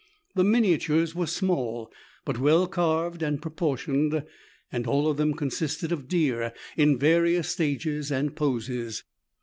The miniatures were small but well carved and proportioned, and all of them consisted of deer in various stages and poses.